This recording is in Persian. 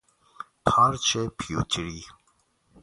پارچ پیوتری